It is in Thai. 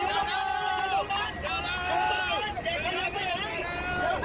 อยู่กันสิครับ